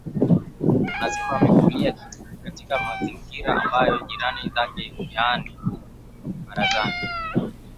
anasema amekulia katika mazingira ambayo jirani zake yaani barazani